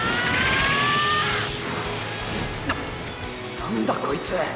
な何だこいつ。